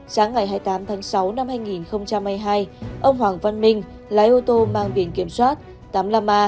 sáng ngày hai mươi tám tháng sáu năm hai nghìn hai mươi hai ông hoàng văn minh lái ô tô mang biển kiểm soát tám mươi năm a